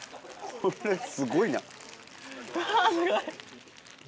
これすごいな。